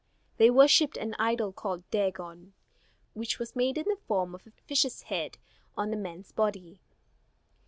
They worshipped an idol called Dagon, which was made in the form of a fish's head on a man's body.